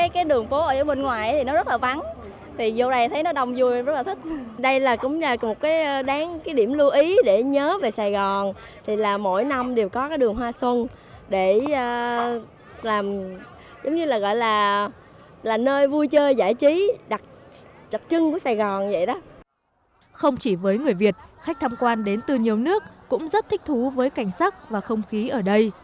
không chỉ với người việt khách tham quan đến từ nhiều nước cũng rất thích thú với cảnh sắc và không khí ở đây